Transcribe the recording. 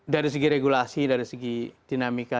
dari segi regulasi dari segi dinamika